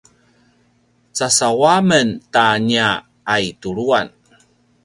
casaw a men ta nia aituluan